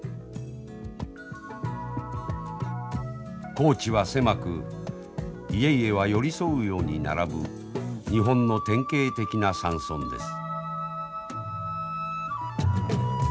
耕地は狭く家々は寄り添うように並ぶ日本の典型的な山村です。